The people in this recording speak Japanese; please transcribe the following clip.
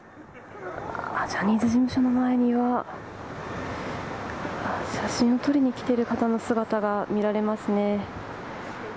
ジャニーズ事務所の前には、写真を撮りに来ている方の姿が見られますね。